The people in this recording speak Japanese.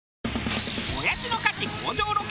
もやしの価値向上ロケ。